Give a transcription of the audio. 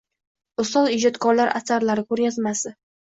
Ustoz ijodkorlar asarlari ko‘rgazmasi